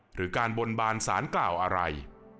หรือการบนบานสารกล่าวอะไร